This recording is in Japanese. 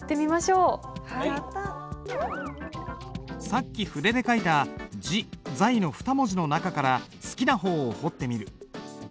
さっき筆で書いた「自在」の２文字の中から好きな方を彫ってみる。